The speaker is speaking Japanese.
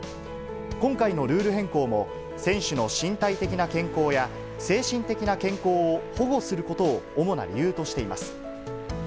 今回のルール変更も、選手の身体的な健康や、精神的な健康を保護することを主な理由としています。